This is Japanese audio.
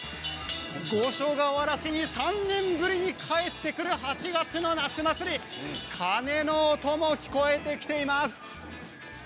五所川原市に３年ぶりに帰ってくる８月の夏祭り鐘の音も聞こえてきています。